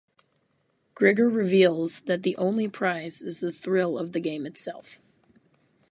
Grigor reveals that the only prize is the thrill of the game itself.